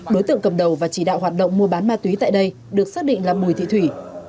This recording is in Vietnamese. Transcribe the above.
đối tượng cầm đầu và chỉ đạo hoạt động mua bán ma túy tại đây được xác định là bùi thị thủy